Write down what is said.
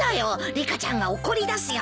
リカちゃんが怒りだすよ。